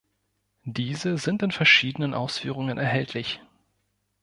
Diese sind in verschiedenen Ausführungen erhältlich.